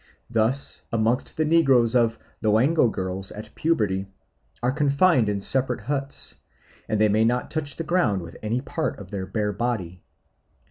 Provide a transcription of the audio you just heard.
Thus amongst the negroes of Loango girls at puberty are confined in separate huts, and they may not touch the ground with any part of their bare body.